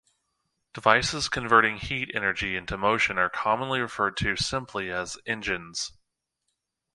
Devices converting heat energy into motion are commonly referred to simply as "engines".